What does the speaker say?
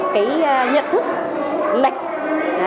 cái nhận thức lệch